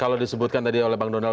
kalau disebutkan tadi oleh bang donald